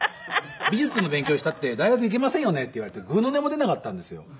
「美術の勉強したって大学行けませんよね」って言われてぐうの音も出なかったんですよ。